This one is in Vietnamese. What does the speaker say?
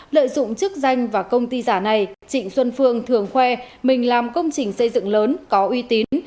lợi dụng chức danh và công ty giả này trịnh xuân phương thường khoe mình làm công trình xây dựng lớn có uy tín